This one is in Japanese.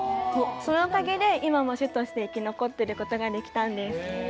そのおかげで今も種として生き残ることができたんです。